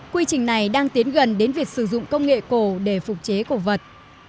quy trình này đang tiến gần đến việc sử dụng công nghệ cổ để phục chế cổ vật